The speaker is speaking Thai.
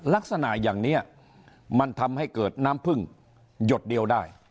ลักษณะอย่างนี้มันทำให้เกิดน้ำพึ่งหยดเดียวได้